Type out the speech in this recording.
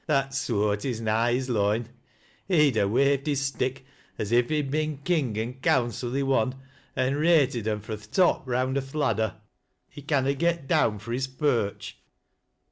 " That soart is na i' his loine. He'd a waved his stick as if he'd been 'king and coimcil i' one, an' rated 'em fro' th' top round o' th' ladder. He canna get down fro' his perch.